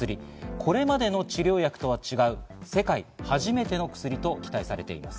これまでの治療薬とは違う世界初めての薬と期待されています。